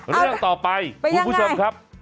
เรื่องต่อไปคุณผู้ชมครับ